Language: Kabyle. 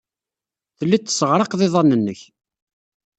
Telliḍ tesseɣraqeḍ iḍan-nnek.